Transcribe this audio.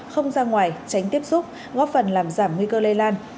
không ra ngoài tránh tiếp xúc góp phần làm giảm nguy cơ lây lan